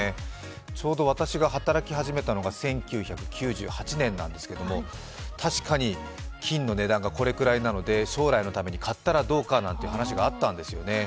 ちょうど私が働き始めたのが１９９８年なんですけど、確かに、金の値段がこれくらいなので将来のために買ったらどうかなんて話があったんですよね。